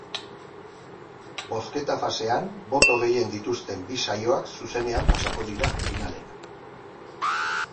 Bozketa-fasean boto gehien dituzten bi saioak zuzenean pasako dira finalera.